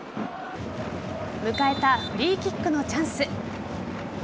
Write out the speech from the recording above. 迎えたフリーキックのチャンス。